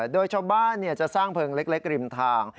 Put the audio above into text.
โดยชาวบ้านจะสร้างเพลิงเล็กริมทาง